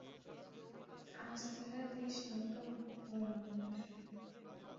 আজ তাহার বেশ কিছু নূতন ধরনের ।